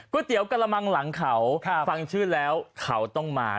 เตี๋ยกะละมังหลังเขาฟังชื่อแล้วเขาต้องมา